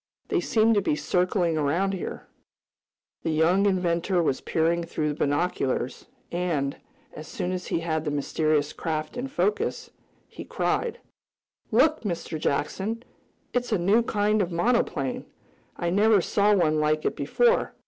They seem to be circling around here." The young inventor was peering through the binoculars, and, as soon as he had the mysterious craft in focus, he cried: "Look, Mr. Jackson, it's a new kind of monoplane. I never saw one like it before.